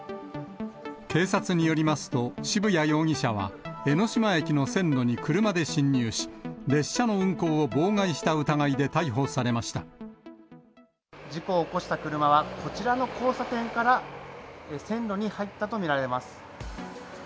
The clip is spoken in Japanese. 警察によりますと、渋谷容疑者は、江ノ島駅の線路に車で進入し、列車の運行を妨害した疑いで逮捕事故を起こした車は、こちらの交差点から線路に入ったと見られます。